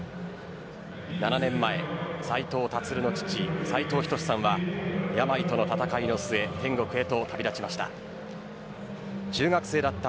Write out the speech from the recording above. ７年前、斉藤立の父斉藤仁さんは病との戦いの末天国へと旅立ちました。